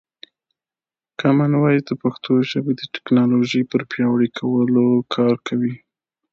کامن وایس د پښتو ژبې د ټکنالوژۍ پر پیاوړي کولو کار کوي.